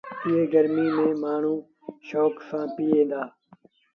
ائيٚݩ گرميٚ ميݩ مآڻهوٚٚݩ شوڪ سآݩ پئيٚن دآ۔